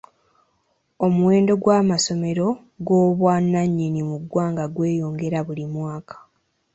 Omuwendo gw'amasomero ag'obwannannyini mu ggwanga gweyongera buli mwaka.